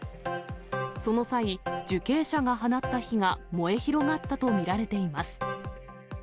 その際、受刑者が放った火が燃え広がったと見られています。